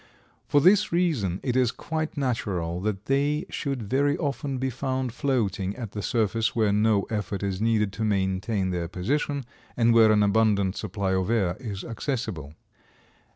For this reason it is quite natural that they should very often be found floating at the surface where no effort is needed to maintain their position and where an abundant supply of air is accessible.